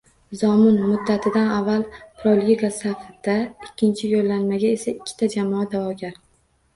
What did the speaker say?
«Zomin» muddatidan avval Pro-liga safida, ikkinchi yo‘llanmaga esa ikkita jamoa da’vogar